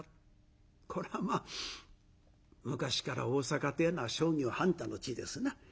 これはまあ昔から大坂てえのは商業繁多の地ですな。